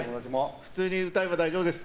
普通に歌えば大丈夫です。